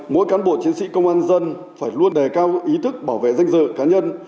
mỗi cán bộ chiến sĩ công an dân phải luôn đề cao ý thức bảo vệ danh dự cá nhân